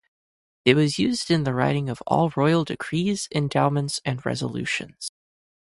It was used in the writing of all royal decrees, endowments, and resolutions.